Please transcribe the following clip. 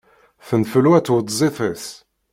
Tenfelwa tweṭzit-is.